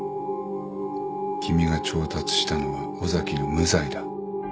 君が調達したのは尾崎の無罪だ。